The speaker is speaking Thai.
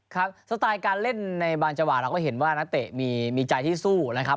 สไตล์การเล่นในบางจังหวะเราก็เห็นว่านักเตะมีใจที่สู้นะครับ